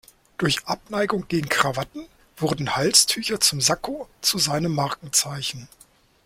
Durch Abneigung gegen Krawatten wurden Halstücher zum Sakko zu seinem Markenzeichen.